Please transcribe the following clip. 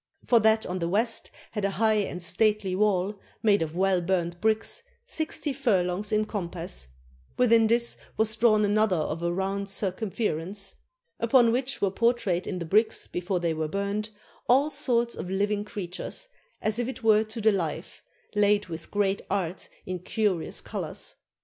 For that on the west had a high and stately wall, made of well burnt bricks, sixty furlongs in compass ; within this was drawn another of a round circumference, upon which were portrayed in the bricks before they were burnt, all sorts of living creatures, as if it were to the life, laid with great art in curious colors.